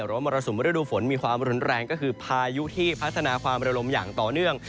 มรสุมฤดูฝนมีความรุนแรงก็คือพายุที่พัฒนาความระลมอย่างต่อเนื่อง